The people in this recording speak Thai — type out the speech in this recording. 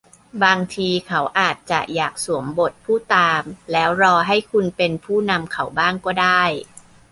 บางทีเขาอาจจะอยากสวมบทผู้ตามแล้วรอให้คุณเป็นผู้นำเขาบ้างก็ได้